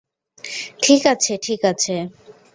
ঠিক আছে ঠিক আছে।